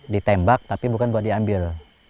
ditembak tapi bukan buat diambil